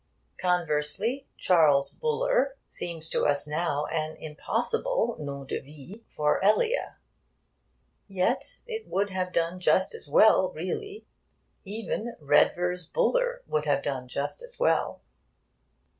Conversely, 'Charles Buller' seems to us now an impossible nom de vie for Elia; yet it would have done just as well, really. Even 'Redvers Buller' would have done just as well.